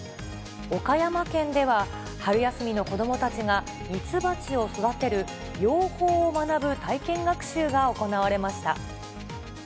岡山県では、春休みの子どもたちが蜜蜂を育てる養蜂を学ぶ体験学習が行われました。